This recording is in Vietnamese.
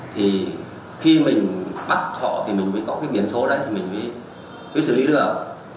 thì khi mình bắt họ thì mình mới có cái biển số đấy thì mình mới xử lý được